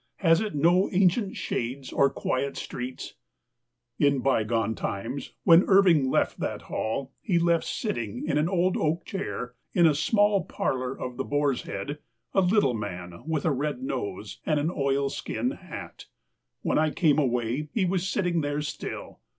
Has it no ancient shades or quiet streets ? In bygone times, when Irving left that Hall, he left sitting in an old oak chair, in a small parlor of the Boar's Head, a little man with a red nose, and an oilskin hat. When I came away he was sitting there still